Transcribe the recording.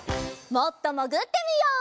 もっともぐってみよう！